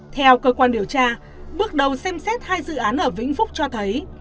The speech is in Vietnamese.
theo cơ quan điều tra bước đầu xem xét hai dự án ở vĩnh phúc cho thấy